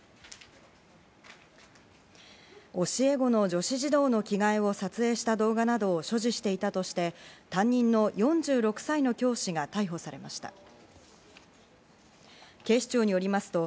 教え子の女子児童の着替えを撮影した動画などを所持していたとして、担任の４６歳の教師が逮捕されました。